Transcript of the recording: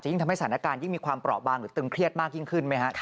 ยิ่งทำให้สถานการณ์ยิ่งมีความเปราะบางหรือตึงเครียดมากยิ่งขึ้นไหมฮะ